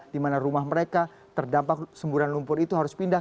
di mana rumah mereka terdampak semburan lumpur itu harus pindah